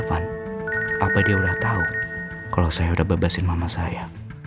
apa dia udah tahu kalau saya udah bebasin mama saya